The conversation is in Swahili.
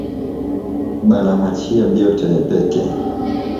Bana mwachiya byote yepeke